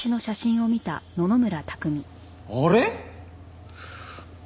あれ？